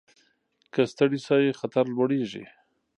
که ستړي شئ خطر لوړېږي.